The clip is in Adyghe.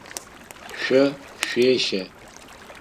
Шъо шъуещэ.